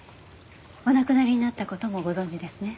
お亡くなりになった事もご存じですね？